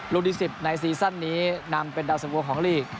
ลูกที่๑๐ในซีซั่นนี้นำเป็นดาวสังโกของลีก